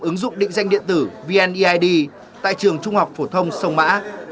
ứng dụng định danh điện tử vneid tại trường trung học phổ thông sông mã